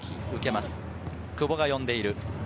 久保が呼んでいる。